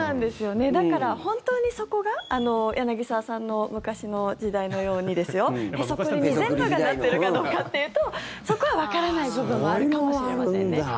だから、本当にそこが柳澤さんの昔の時代のようにへそくりに全部がなってるかどうかというとそこはわからない部分もあるかもしれませんね。